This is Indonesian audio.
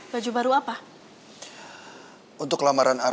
faitheat mau ketemu sama millie nya